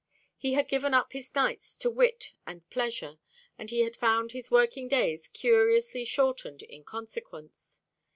He had given up his nights to wit and pleasure; and he had found his working days curiously shortened in consequence.